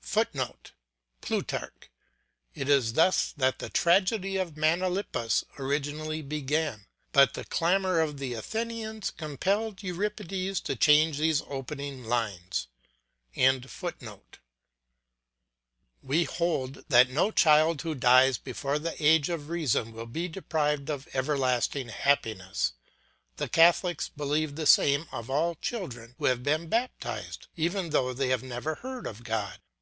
[Footnote: Plutarch. It is thus that the tragedy of Menalippus originally began, but the clamour of the Athenians compelled Euripides to change these opening lines.] We hold that no child who dies before the age of reason will be deprived of everlasting happiness; the Catholics believe the same of all children who have been baptised, even though they have never heard of God.